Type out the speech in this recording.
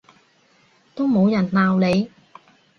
都冇人鬧你